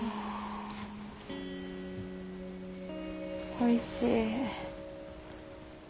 おいしい。